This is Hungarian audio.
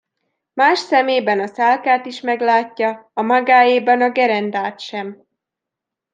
Más szemében a szálkát is meglátja, a magáéban a gerendát sem.